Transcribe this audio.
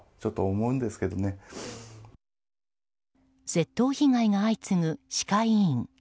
窃盗被害が相次ぐ歯科医院。